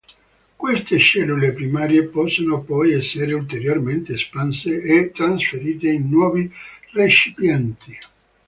Queste "cellule primarie" possono poi essere ulteriormente espanse e trasferite in nuovi recipienti.